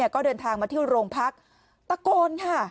ก็เดินทางมาที่โรงพักตะโกนค่ะ